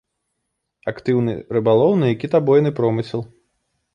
Актыўны рыбалоўны і кітабойным промысел.